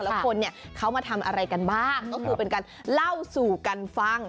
แต่หมดละคนเนี้ยเขามาทำอะไรกันบ้างเป็นการเล่าสู่กันฟัง